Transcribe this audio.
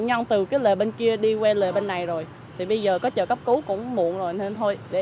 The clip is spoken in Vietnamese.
nhân từ cái lề bên kia đi qua lề bên này rồi thì bây giờ có chờ cấp cứu cũng muộn rồi nên thôi để